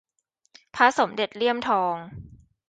พระสมเด็จเลี่ยมทอง